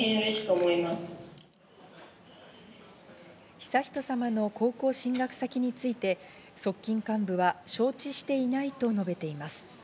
悠仁さまの高校進学先について側近幹部は承知していないと述べています。